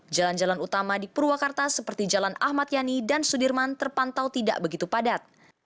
jalan jalan utama di purwakarta seperti jalan ahmad yani dan sudirman terpantau tidak begitu padat